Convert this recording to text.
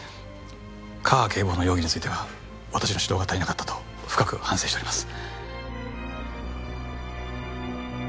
架川警部補の容疑については私の指導が足りなかったと深く反省しております。